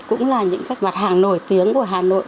cũng là những các mặt hàng nổi tiếng của hà nội